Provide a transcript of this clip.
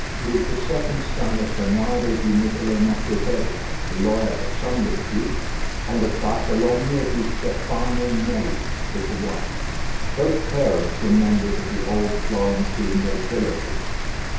He was the second son of Bernardo di Nicolo Machiavelli, a lawyer of some repute, and of Bartolommea di Stefano Nelli, his wife. Both parents were members of the old Florentine nobility.